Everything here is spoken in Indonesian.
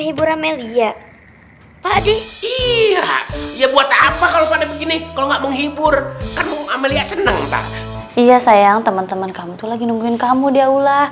iya sayang teman teman kamu tuh lagi nungguin kamu di aula